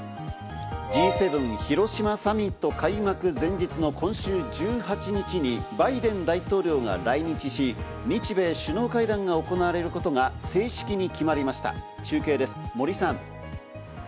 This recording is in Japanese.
Ｇ７広島サミット開幕前日の今週１８日に、バイデン大統領が来日し、日米首脳会談が行われることが正式に決まりました、中継です、森さん。